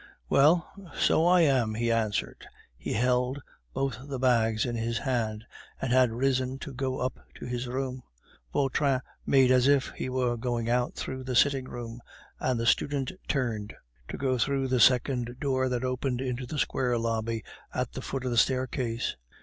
"Well... so I am," he answered. He held both the bags in his hand, and had risen to go up to his room. Vautrin made as if he were going out through the sitting room, and the student turned to go through the second door that opened into the square lobby at the foot of the staircase.